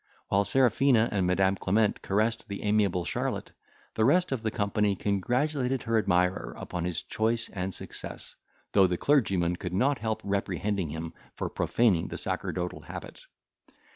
While Serafina and Madam Clement caressed the amiable Charlotte, the rest of the company congratulated her admirer upon his choice and success, though the clergyman could not help reprehending him for profaning the sacerdotal habit.